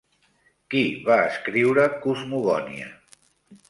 Qui va escriure Cosmogonia?